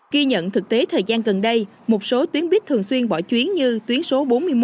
ghi nhận thực tế thời gian gần đây một số tuyến buýt thường xuyên bỏ chuyến như tuyến số bốn mươi một bốn mươi ba năm mươi một năm mươi bốn